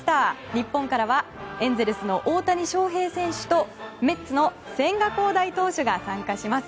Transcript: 日本からはエンゼルスの大谷翔平選手とメッツの千賀滉大投手が参加します。